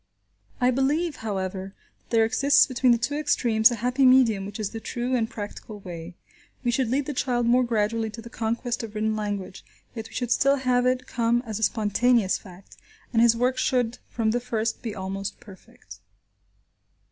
I believe, however, that there exists between the two extremes a happy medium which is the true and practical way. We should lead the child more gradually to the conquest of written language, yet we should still have it come as a spontaneous fact, and his work should from the first be almost perfect.